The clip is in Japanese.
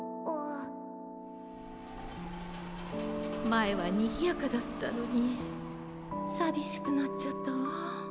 まえはにぎやかだったのにさびしくなっちゃったわ。